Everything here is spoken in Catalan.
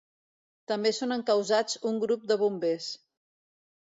També són encausats un grup de bombers.